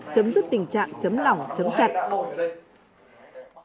chấm dứt tình trạng chấm lỏng chấm chặt